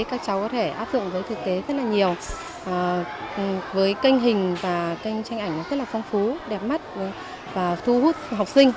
các cháu có thể áp dụng với thực tế rất là nhiều với kênh hình và kênh tranh ảnh rất là phong phú đẹp mắt và thu hút học sinh